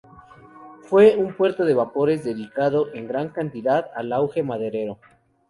Fue un puerto de vapores, dedicado en gran cantidad al auge maderero.